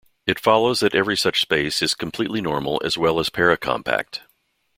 It follows that every such space is completely normal as well as paracompact.